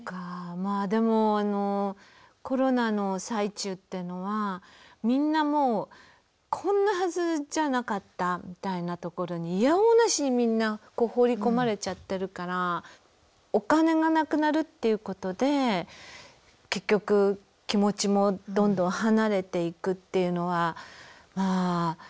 まあでもあのコロナの最中っていうのはみんなもうこんなはずじゃなかったみたいなところにいやおうなしにみんな放り込まれちゃってるからお金がなくなるっていうことで結局気持ちもどんどん離れていくっていうのはまあたくさんあったかもね。